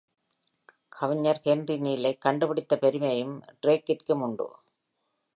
கவிஞர் ஹென்றி நீலைக் கண்டுபிடித்த பெருமையும் டிரேக்கிற்கும் உண்டு.